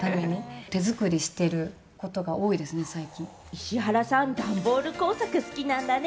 石原さん、段ボール工作好きなんだね。